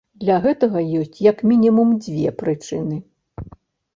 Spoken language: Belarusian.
Для гэтага ёсць як мінімум дзве прычыны.